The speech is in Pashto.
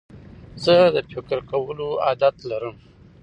زه د فکر کولو عادت لرم.